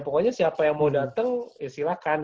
pokoknya siapa yang mau datang silahkan